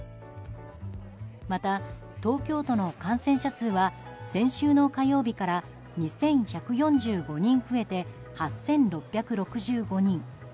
また、東京都の感染者数は先週の火曜日から２１４５人増えて８６６５人。